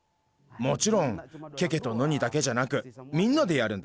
もちろんケケとノニだけじゃなくみんなでやるんだ。